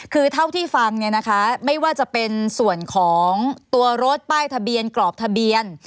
คือเท่าที่ฟังเนี่ยนะคะไม่ว่าจะเป็นส่วนของตัวรถป้ายทะเบียนกรอบทะเบียน